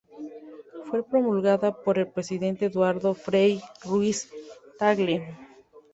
Fue promulgada por el presidente Eduardo Frei Ruiz-Tagle.